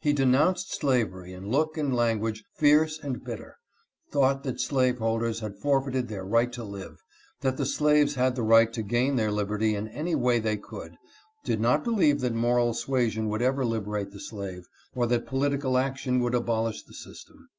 He /denounced slavery in look and language fierce and bitter, thought that slaveholders had forfeited their right to live, that the slaves had the right to gain their liberty in any way they could, did not believe that moral suasion would ever liberate the slave, or that^ political action would abolish the system.!